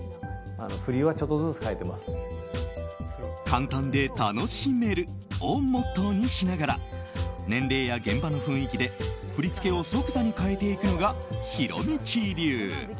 簡単で楽しめるをモットーにしながら年齢や現場の雰囲気で振り付けを即座に変えていくのがひろみち流。